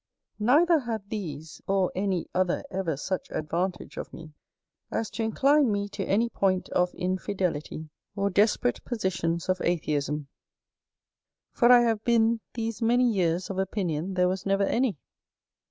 Neither had these or any other ever such advantage of me, as to incline me to any point of infidelity or desperate positions of atheism; for I have been these many years of opinion there was never any.